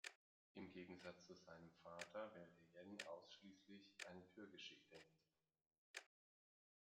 Im Gegensatz zu seinem Vater wählte Yen ausschließlich „eine türkische Identität“.